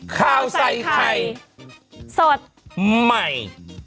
ข้าวใส่ไข่สดใหม่